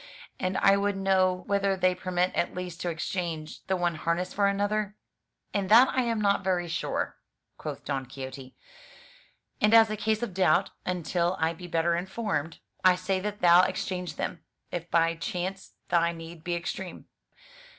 And I would know whether they permit at least to exchange the one harness for another?" "In that I am not very sure," quoth Don Quixote; "and as a case of doubt (until I be better informed), I say that thou ex change them, if by chance thy need be extreme."